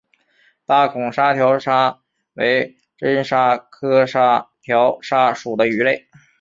大孔沙条鲨为真鲨科沙条鲨属的鱼类。